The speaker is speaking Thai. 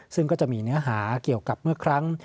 ซึ่งก็จะมีเนื้อหาเกี่ยวกับเมื่อครั้ง